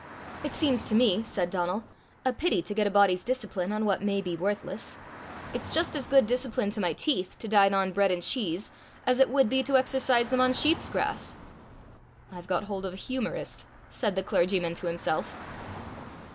"It seems to me," said Donal, "a pity to get a body's discipline on what may be worthless. It's just as good discipline to my teeth to dine on bread and cheese, as it would be to exercise them on sheep's grass." "I've got hold of a humorist!" said the clergyman to himself.